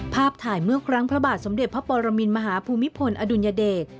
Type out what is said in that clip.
ภาพถ่ายเมื่อครั้งพระบาทสมเด็จพระปรมินมหาภูมิพลอดุลยเดช